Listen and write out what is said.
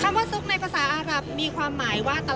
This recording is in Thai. คำว่าสุกในภาษาอารับมีความหมายว่าตลาดค่ะ